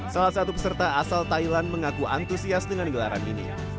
salah satu peserta asal thailand mengaku antusias dengan gelaran ini